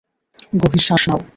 গভীর শ্বাস নাও।